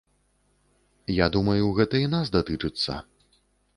Я думаю, гэта і нас датычыцца.